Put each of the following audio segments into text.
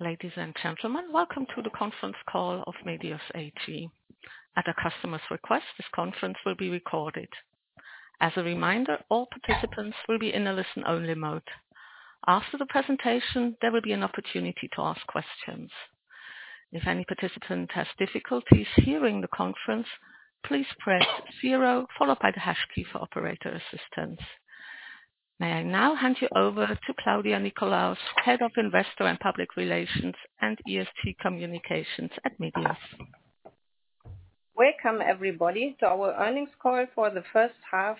Ladies and gentlemen, welcome to the conference call of Medios AG. At a customer's request, this conference will be recorded. As a reminder, all participants will be in a listen-only mode. After the presentation, there will be an opportunity to ask questions. If any participant has difficulties hearing the conference, please press zero, followed by the hash key for operator assistance. May I now hand you over to Claudia Nickolaus, Head of Investor and Public Relations and ESG Communications at Medios. Welcome, everybody, to our earnings call for the first half,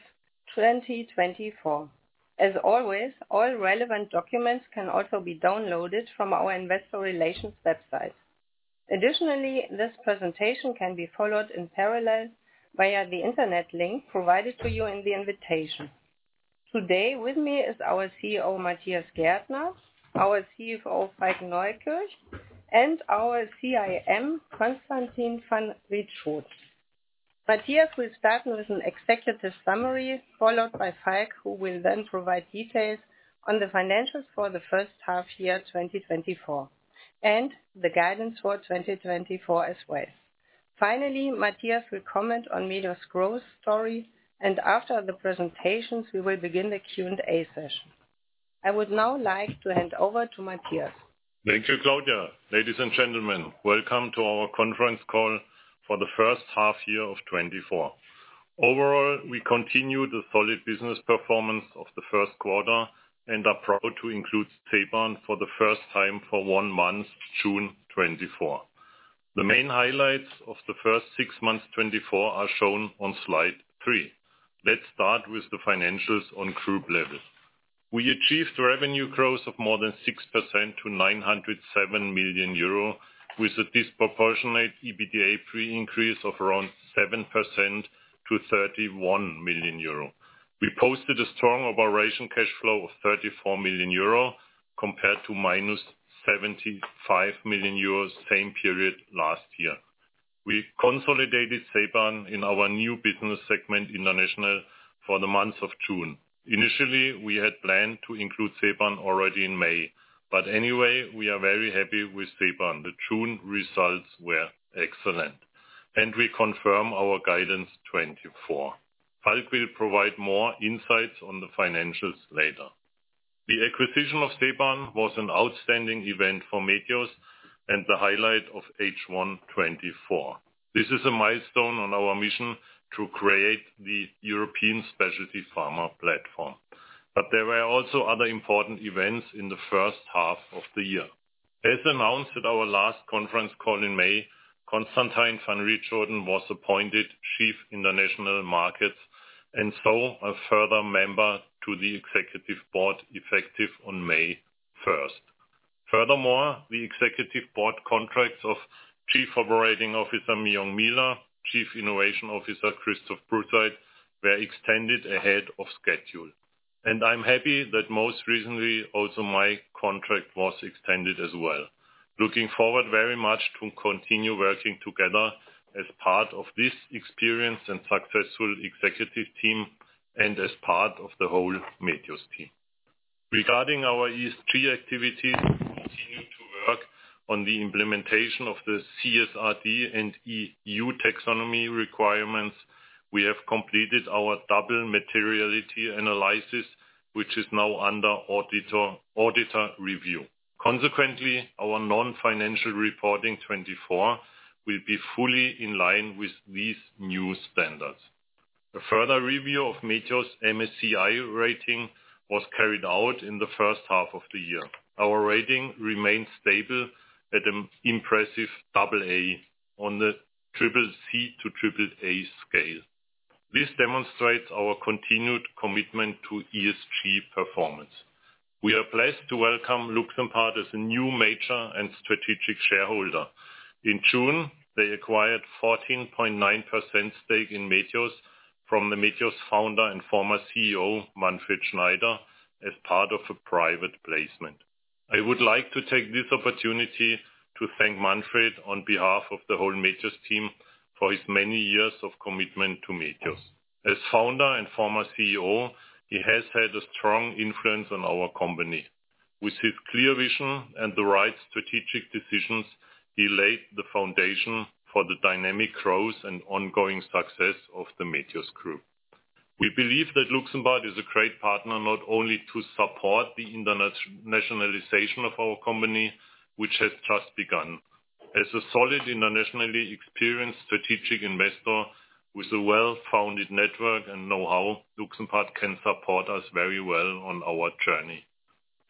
2024. As always, all relevant documents can also be downloaded from our investor relations website. Additionally, this presentation can be followed in parallel via the Internet link provided to you in the invitation. Today, with me is our CEO, Matthias Gärtner, our CFO, Falk Neukirch, and our CIM, Constantijn van Rietschoten. Matthias will start with an executive summary, followed by Falk, who will then provide details on the financials for the first half year, 2024, and the guidance for 2024 as well. Finally, Matthias will comment on Medios' growth story, and after the presentations, we will begin the Q&A session. I would now like to hand over to Matthias. Thank you, Claudia. Ladies and gentlemen, welcome to our conference call for the first half year of 2024. Overall, we continue the solid business performance of the first quarter and are proud to include Ceban for the first time for one month, June 2024. The main highlights of the first six months, 2024, are shown on slide 3. Let's start with the financials on group level. We achieved revenue growth of more than 6% to 907 million euro, with a disproportionate EBITDA pre increase of around 7% to 31 million euro. We posted a strong operating cash flow of 34 million euro compared to -75 million euro, same period last year. We consolidated Ceban in our new business segment, International, for the month of June. Initially, we had planned to include Ceban already in May, but anyway, we are very happy with Ceban. The June results were excellent, and we confirm our guidance 2024. Falk will provide more insights on the financials later. The acquisition of Ceban was an outstanding event for Medios and the highlight of H1 2024. This is a milestone on our mission to create the European specialty pharma platform. But there were also other important events in the first half of the year. As announced at our last conference call in May, Constantijn van Rietschoten was appointed Chief International Markets, and so a further member to the executive board, effective on 1st May. Furthermore, the executive board contracts of Chief Operating Officer, Mi-Young Miehler, Chief Innovation Officer, Christoph Prußeit, were extended ahead of schedule. And I'm happy that most recently, also, my contract was extended as well. Looking forward very much to continue working together as part of this experienced and successful executive team and as part of the whole Medios team. Regarding our ESG activities, we continue to work on the implementation of the CSRD and EU Taxonomy requirements. We have completed our double materiality analysis, which is now under auditor review. Consequently, our non-financial reporting 2024 will be fully in line with these new standards. A further review of Medios' MSCI rating was carried out in the first half of the year. Our rating remains stable at an impressive double A on the triple C to triple A scale. This demonstrates our continued commitment to ESG performance. We are pleased to welcome Luxempart as a new major and strategic shareholder. In June, they acquired 14.9% stake in Medios from the Medios founder and former CEO, Manfred Schneider, as part of a private placement. I would like to take this opportunity to thank Manfred on behalf of the whole Medios team for his many years of commitment to Medios. As founder and former CEO, he has had a strong influence on our company. With his clear vision and the right strategic decisions, he laid the foundation for the dynamic growth and ongoing success of the Medios group. We believe that Luxempart is a great partner, not only to support the internationalization of our company, which has just begun. As a solid, internationally experienced strategic investor with a well-founded network and know-how, Luxempart can support us very well on our journey.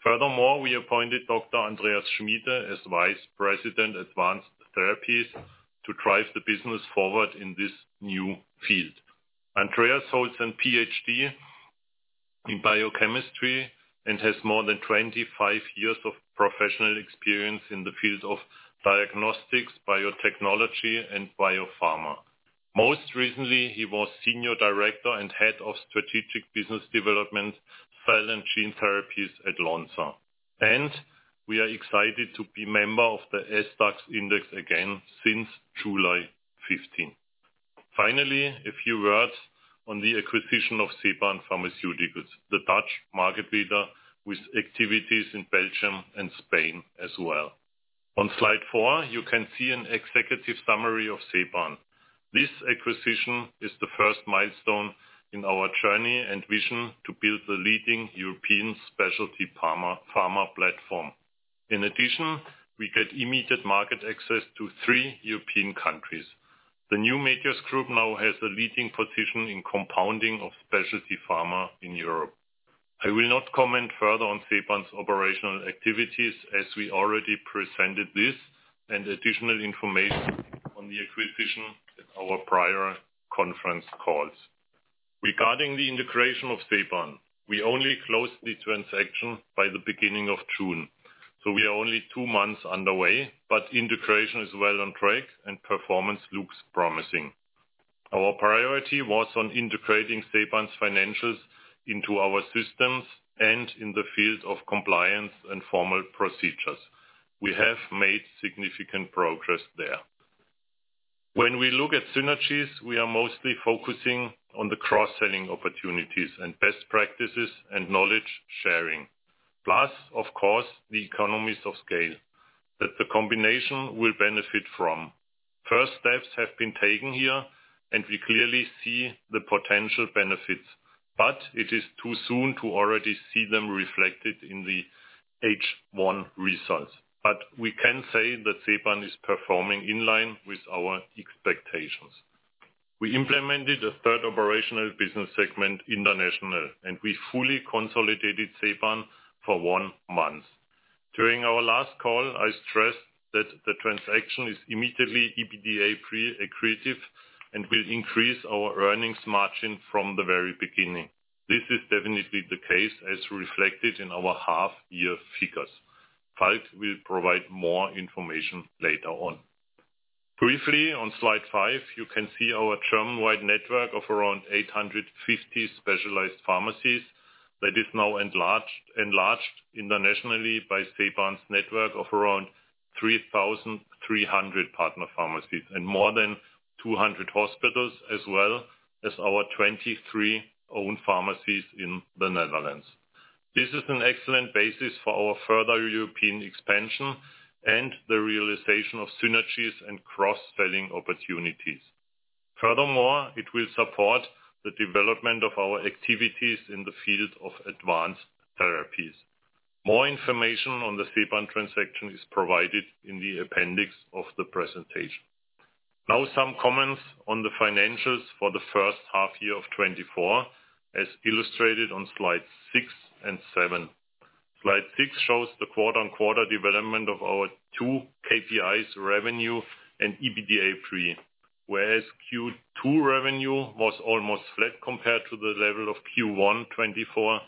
Furthermore, we appointed Dr. Andreas Schmiede as Vice President, Advanced Therapies, to drive the business forward in this new field. Andreas holds a PhD in biochemistry and has more than 25 years of professional experience in the field of diagnostics, biotechnology, and biopharma. Most recently, he was Senior Director and Head of Strategic Business Development, Cell and Gene Therapies at Lonza. We are excited to be a member of the SDAX index again since July fifteenth. Finally, a few words on the acquisition of Ceban Pharmaceuticals, the Dutch market leader with activities in Belgium and Spain as well. On slide four, you can see an executive summary of Ceban. This acquisition is the first milestone in our journey and vision to build the leading European specialty pharma, pharma platform. In addition, we get immediate market access to three European countries. The new Medios Group now has a leading position in compounding of specialty pharma in Europe. I will not comment further on Ceban's operational activities, as we already presented this and additional information on the acquisition in our prior-conference calls. Regarding the integration of Ceban, we only closed the transaction by the beginning of June, so we are only two months underway, but integration is well on track and performance looks promising. Our priority was on integrating Ceban's financials into our systems and in the field of compliance and formal procedures. We have made significant progress there. When we look at synergies, we are mostly focusing on the cross-selling opportunities and best practices and knowledge sharing. Plus, of course, the economies of scale, that the combination will benefit from. First steps have been taken here, and we clearly see the potential benefits, but it is too soon to already see them reflected in the H1 results. But we can say that Ceban is performing in line with our expectations. We implemented a third operational business segment, international, and we fully consolidated Ceban for one month. During our last call, I stressed that the transaction is immediately EBITDA pre-accretive and will increase our earnings margin from the very beginning. This is definitely the case, as reflected in our half-year figures. Falk will provide more information later on. Briefly, on slide 5, you can see our German-wide network of around 850 specialized pharmacies that is now enlarged internationally by Ceban's network of around 3,300 partner pharmacies and more than 200 hospitals, as well as our 23 own pharmacies in the Netherlands. This is an excellent basis for our further European expansion and the realization of synergies and cross-selling opportunities. Furthermore, it will support the development of our activities in the field of advanced therapies. More information on the Ceban transaction is provided in the appendix of the presentation. Now, some comments on the financials for the first half year of 2024, as illustrated on slides 6 and 7. Slide 6 shows the quarter-on-quarter development of our two KPIs, revenue and EBITDA pre, whereas Q2 revenue was almost flat compared to the level of Q1 2024,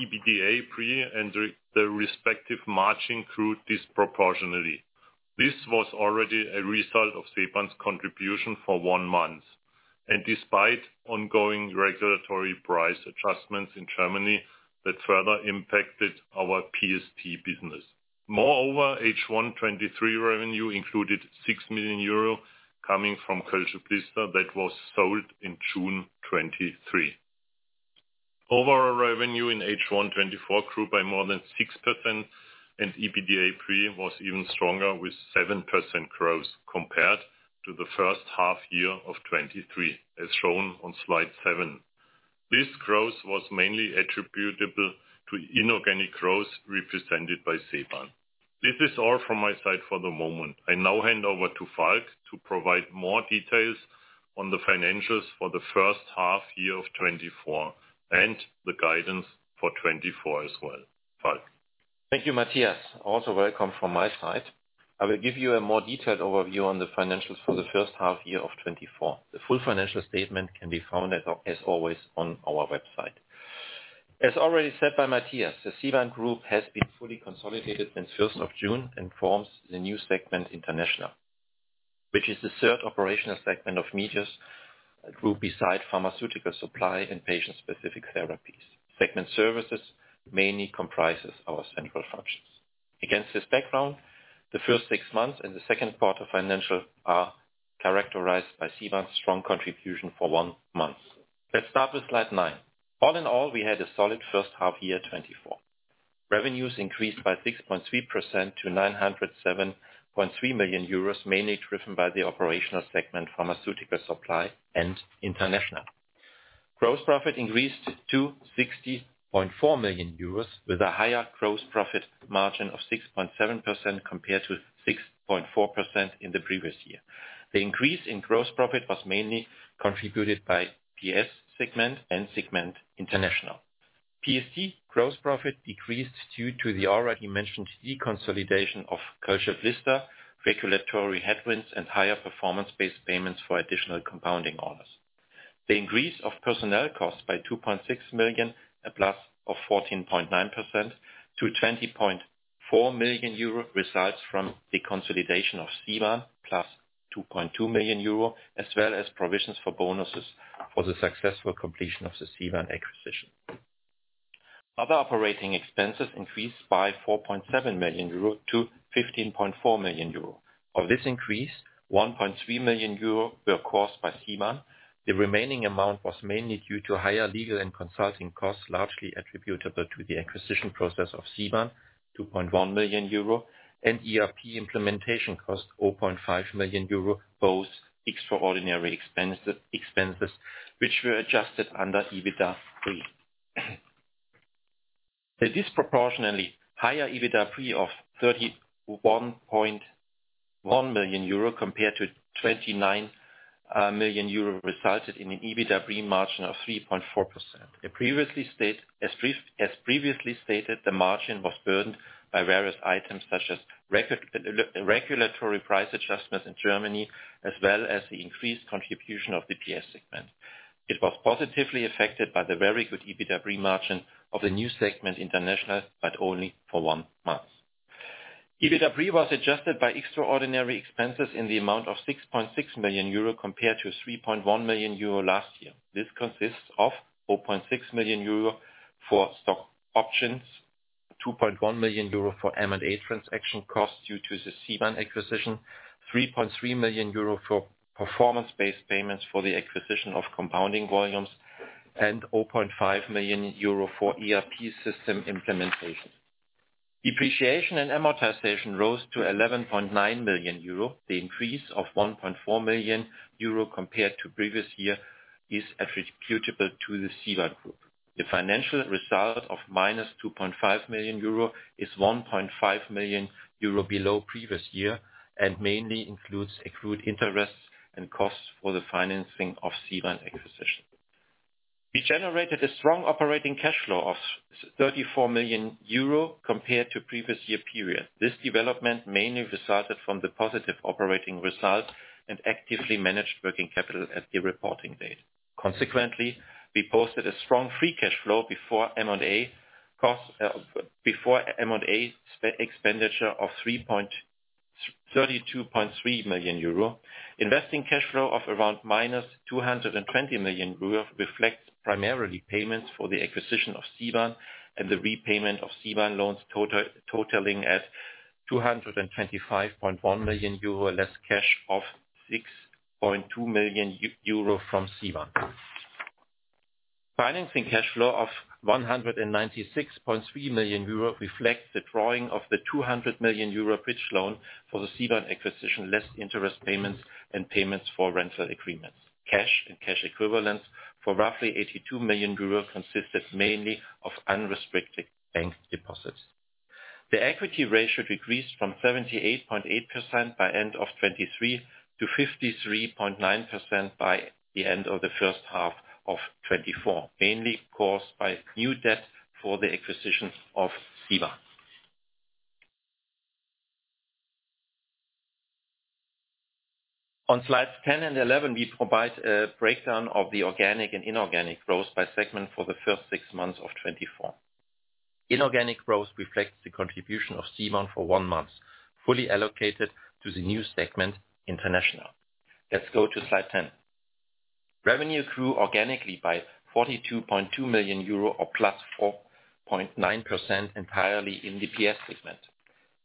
EBITDA pre and the respective margin grew disproportionately. This was already a result of Ceban's contribution for 1 month, and despite ongoing regulatory price adjustments in Germany, that further impacted our PST business. Moreover, H1 2023 revenue included 6 million euro coming from Kölsche Blister, that was sold in June 2023. Overall revenue in H1 2024 grew by more than 6%, and EBITDA pre was even stronger, with 7% growth compared to the first half year of 2023, as shown on slide 7. This growth was mainly attributable to inorganic growth represented by Ceban. This is all from my side for the moment. I now hand over to Falk to provide more details on the financials for the first half year of 2024 and the guidance for 2024 as well. Falk? Thank you, Matthias. Also welcome from my side. I will give you a more detailed overview on the financials for the first half year of 2024. The full financial statement can be found at, as always, on our website. As already said by Matthias, the Ceban Group has been fully consolidated since first of June and forms the new segment, International, which is the third operational segment of Medios Group, beside Pharmaceutical Supply and Patient-Specific Therapies. Segment Services mainly comprises our central functions. Against this background, the first six months and the second part of financial are characterized by Ceban's strong contribution for one month. Let's start with slide 9. All in all, we had a solid first half year, 2024. Revenues increased by 6.3% to 907.3 million euros, mainly driven by the operational segment, Pharmaceutical Supply and International. Gross profit increased to 60.4 million euros, with a higher gross profit margin of 6.7%, compared to 6.4% in the previous year. The increase in gross profit was mainly contributed by PS segment and segment International. PST gross profit decreased due to the already mentioned deconsolidation of Kölsche Blister, regulatory headwinds, and higher performance-based payments for additional compounding orders. The increase of personnel costs by 2.6 million, a plus of 14.9% to 20.4 million euro, results from the consolidation of Ceban, plus 2.2 million euro, as well as provisions for bonuses for the successful completion of the Ceban acquisition.... Other operating expenses increased by 4.7 million euro to 15.4 million euro. Of this increase, 1.3 million euro were caused by Ceban. The remaining amount was mainly due to higher legal and consulting costs, largely attributable to the acquisition process of Ceban, 2.1 million euro, and ERP implementation cost, 0.5 million euro, both extraordinary expenses, expenses, which were adjusted under EBITDA pre. The disproportionately higher EBITDA pre of 31.1 million euro compared to 29 million euro resulted in an EBITDA pre margin of 3.4%. As previously stated, the margin was burdened by various items such as re-regulatory price adjustments in Germany, as well as the increased contribution of the PS segment. It was positively affected by the very good EBITDA pre margin of the new segment International, but only for one month. EBITDA pre was adjusted by extraordinary expenses in the amount of 6.6 million euro, compared to 3.1 million euro last year. This consists of 4.6 million euro for stock options, 2.1 million euro for M&A transaction costs due to the Ceban acquisition, 3.3 million euro for performance-based payments for the acquisition of compounding volumes, and 0.5 million euro for ERP system implementation. Depreciation and amortization rose to 11.9 million euro. The increase of 1.4 million euro compared to previous year is attributable to the Ceban Group. The financial result of -2.5 million euro is 1.5 million euro below previous year, and mainly includes accrued interest and costs for the financing of Ceban acquisition. We generated a strong operating cash flow of 34 million euro compared to previous year period. This development mainly resulted from the positive operating results and actively managed working capital at the reporting date. Consequently, we posted a strong free cash flow before M&A cost expenditure of 32.3 million euro. Investing cash flow of around -220 million euro reflects primarily payments for the acquisition of Ceban and the repayment of Ceban loans totaling at 225.1 million euro, less cash of 6.2 million euro from Ceban. Financing cash flow of 196.3 million euro reflects the drawing of the 200 million euro bridge loan for the Ceban acquisition, less interest payments and payments for rental agreements. Cash and cash equivalents for roughly 82 million euros consisted mainly of unrestricted bank deposits. The equity ratio decreased from 78.8% by end of 2023, to 53.9% by the end of the first half of 2024, mainly caused by new debt for the acquisition of Ceban. On slides 10 and 11, we provide a breakdown of the organic and inorganic growth by segment for the first six months of 2024. Inorganic growth reflects the contribution of Ceban for one month, fully allocated to the new segment, international. Let's go to slide 10. Revenue grew organically by 42.2 million euro, or +4.9%, entirely in the PS segment.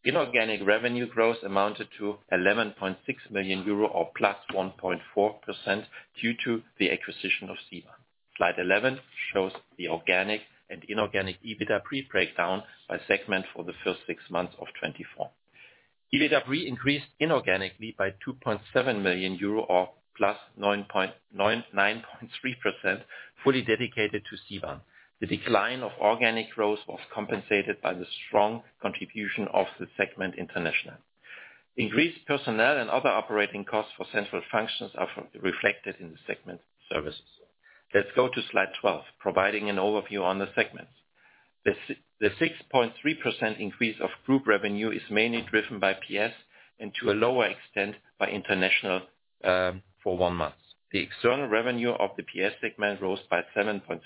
Inorganic revenue growth amounted to 11.6 million euro or +1.4%, due to the acquisition of Ceban. Slide 11 shows the organic and inorganic EBITDA pre-breakdown by segment for the first six months of 2024. EBITDA pre increased inorganically by 2.7 million euro, or +9.3%, fully dedicated to Ceban. The decline of organic growth was compensated by the strong contribution of the segment International. Increased personnel and other operating costs for central functions are re-reflected in the segment Services. Let's go to Slide 12, providing an overview on the segments. The 6.3% increase of group revenue is mainly driven by PS, and to a lower extent by International, for one month. The external revenue of the PS segment rose by 7.3%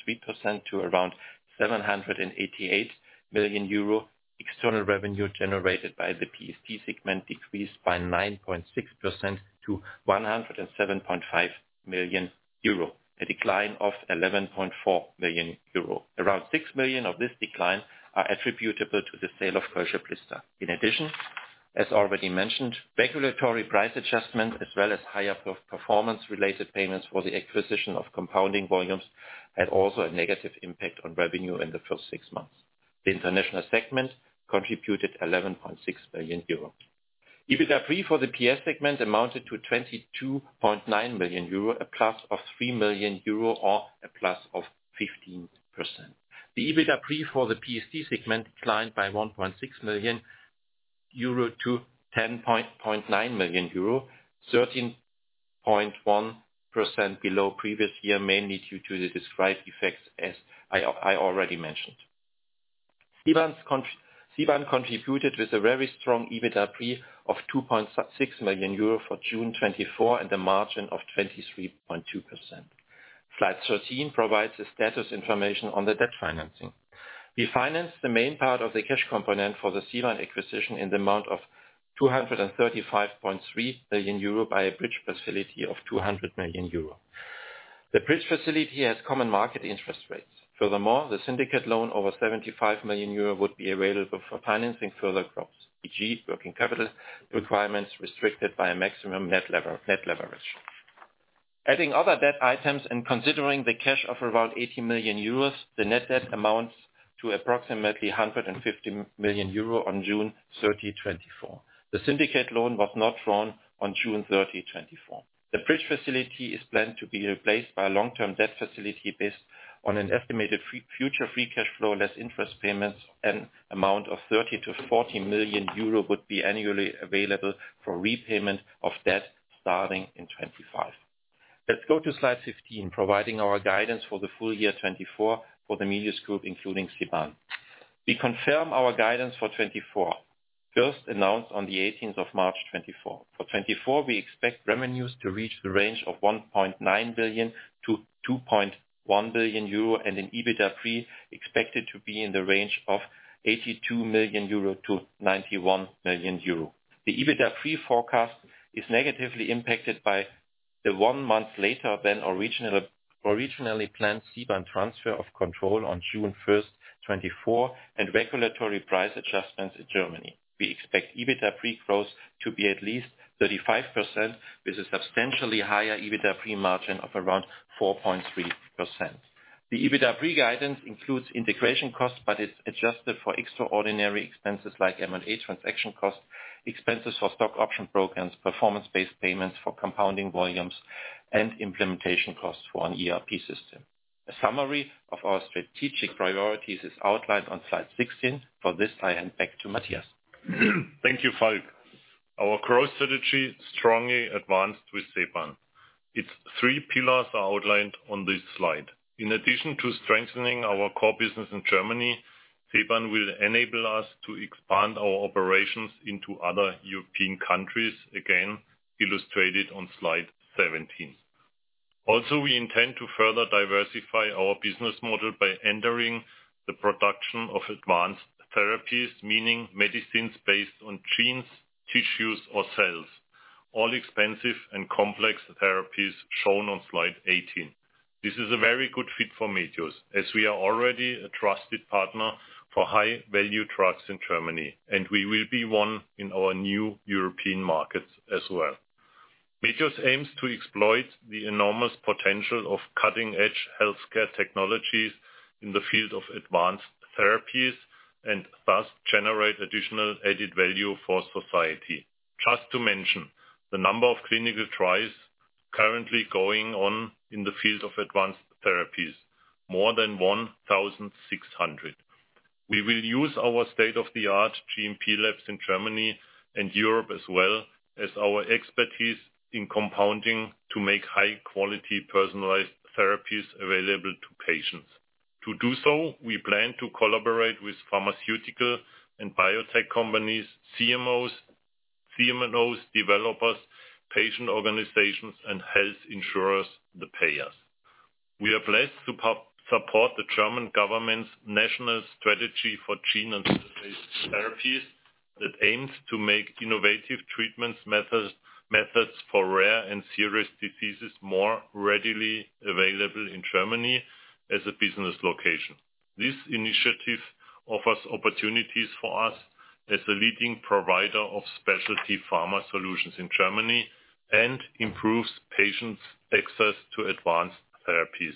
to around 788 million euro. External revenue generated by the PST segment decreased by 9.6% to 107.5 million euro, a decline of 11.4 million euro. Around 6 million of this decline are attributable to the sale of Kölsche Blister. In addition, as already mentioned, regulatory price adjustments, as well as higher per-performance related payments for the acquisition of compounding volumes, had also a negative impact on revenue in the first six months. The international segment contributed 11.6 million euro. EBITDA pre for the PS segment amounted to 22.9 million euro, a plus of 3 million euro, or a plus of 15%. The EBITDA pre for the PST segment declined by 1.6 million euro to 10.9 million euro, 13.1% below previous year, mainly due to the described effects, as I already mentioned. Ceban contributed with a very strong EBITDA pre of 2.6 million euro for June 2024, and a margin of 23.2%. Slide 13 provides the status information on the debt financing. We financed the main part of the cash component for the Ceban acquisition in the amount of 235.3 million euro by a bridge facility of 200 million euro. The bridge facility has common market interest rates. Furthermore, the syndicate loan over 75 million euro would be available for financing further costs, e.g., working capital requirements restricted by a maximum net leverage. Adding other debt items and considering the cash of around 80 million euros, the net debt amounts to approximately 150 million euro on 30 June 2024. The syndicate loan was not drawn on 30 June 2024. The bridge facility is planned to be replaced by a long-term debt facility based on an estimated future free cash flow, less interest payments, an amount of 30-40 million euro would be annually available for repayment of debt starting in 2025. Let's go to slide 15, providing our guidance for the full year 2024 for the Medios group, including Ceban. We confirm our guidance for 2024, first announced on the 18th March, 2024. For 2024, we expect revenues to reach the range of 1.9-2.1 billion euro, and an EBITDA pre expected to be in the range of 82-91 million euro. The EBITDA pre forecast is negatively impacted by the one month later than originally planned Ceban transfer of control on 1st June 2024, and regulatory price adjustments in Germany. We expect EBITDA pre-growth to be at least 35%, with a substantially higher EBITDA pre margin of around 4.3%. The EBITDA pre-guidance includes integration costs, but it's adjusted for extraordinary expenses like M&A transaction costs, expenses for stock option programs, performance-based payments for compounding volumes, and implementation costs for an ERP system. A summary of our strategic priorities is outlined on slide 16. For this, I hand back to Matthias. Thank you, Falk. Our growth strategy strongly advanced with Ceban. Its three pillars are outlined on this slide. In addition to strengthening our core business in Germany, Ceban will enable us to expand our operations into other European countries, again, illustrated on slide 17. Also, we intend to further diversify our business model by entering the production of advanced therapies, meaning medicines based on genes, tissues, or cells, all expensive and complex therapies shown on slide 18. This is a very good fit for Medios, as we are already a trusted partner for high-value drugs in Germany, and we will be one in our new European markets as well. Medios aims to exploit the enormous potential of cutting-edge healthcare technologies in the field of advanced therapies, and thus generate additional added value for society. Just to mention, the number of clinical trials currently going on in the field of advanced therapies, more than 1,600. We will use our state-of-the-art GMP labs in Germany and Europe, as well as our expertise in compounding to make high-quality, personalized therapies available to patients. To do so, we plan to collaborate with pharmaceutical and biotech companies, CMOs, CMNOs, developers, patient organizations, and health insurers, the payers. We are blessed to support the German government's national strategy for gene and cell-based therapies that aims to make innovative treatments methods for rare and serious diseases more readily available in Germany as a business location. This initiative offers opportunities for us as the leading provider of specialty pharma solutions in Germany and improves patients' access to advanced therapies.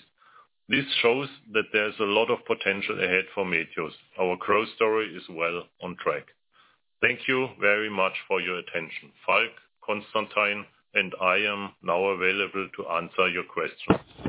This shows that there's a lot of potential ahead for Medios. Our growth story is well on track. Thank you very much for your attention. Falk, Constantijn, and I am now available to answer your questions.